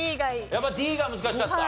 やっぱＤが難しかった？